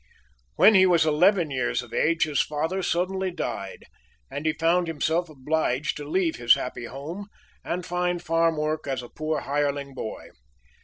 When he was eleven years of age his father suddenly died, and he found himself obliged to leave his happy home and find farm work as a poor hireling boy.